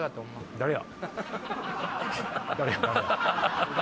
誰や？